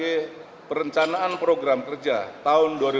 yayin begini bagi oleh gl olika yang memiliki perusahaan gol sidira music